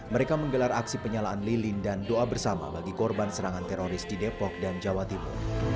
mereka menggelar aksi penyalaan lilin dan doa bersama bagi korban serangan teroris di depok dan jawa timur